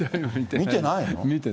見てないの。